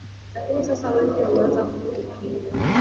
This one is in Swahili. lakini sasa wengi wameanza kurudi Kenya